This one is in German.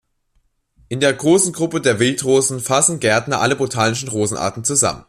In der großen Gruppe der Wildrosen fassen Gärtner alle botanischen Rosenarten zusammen.